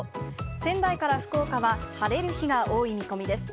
仙台から福岡は晴れる日が多い見込みです。